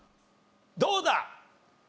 どうだ？